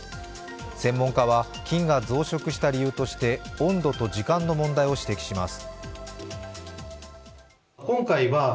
専門家は菌が増殖した理由として温度と時間の問題を指摘します。